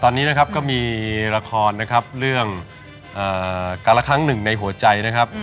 ตอนนี้ก็มีราคอร์นเรื่องการละครั้งหนึ่งในหัวใจ